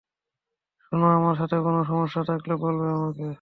শোনো, আমার সাথে কোনো সমস্যা থাকলে, বলবে আমাকে।